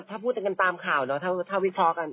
ถ้าพูดจากกันตามข่าวเนาะถ้าวิชากัน